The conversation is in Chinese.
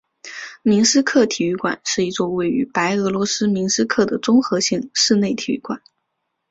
明斯克体育馆是一座位于白俄罗斯明斯克的综合性室内体育馆。